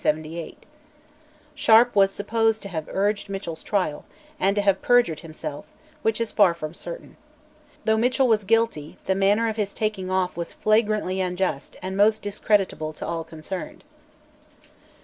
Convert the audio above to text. Sharp was supposed to have urged Mitchell's trial, and to have perjured himself, which is far from certain. Though Mitchell was guilty, the manner of his taking off was flagrantly unjust and most discreditable to all concerned.